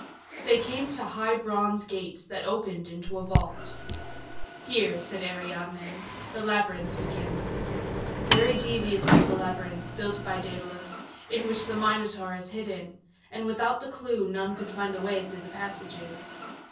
They came to high bronze gates that opened into a vault. "Here," said Ariadne, "the labyrinth begins. Very devious is the labyrinth, built by Daedalus, in which the Minotaur is hidden, and without the clue none could find a way through the passages.